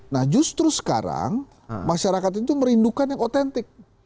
nah justru sekarang masyarakat itu merindukan yang otentik